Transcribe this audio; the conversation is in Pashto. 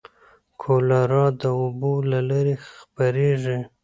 کولرا د اوبو له لارې خپرېږي.